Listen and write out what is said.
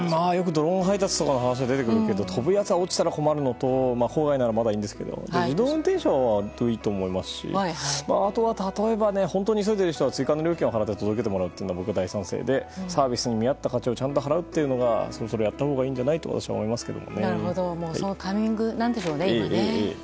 ドローン配達の話が出てくるけど飛ぶやつが落ちたら困るけど自動運転車はいいと思いますしあとは例えば本当に急いでいる人は追加料金を払って届けてもらうのは大賛成でサービスに見合った価値をちゃんと払うというのをやったほうがいいんじゃないかとそのタイミングなんでしょうね今は。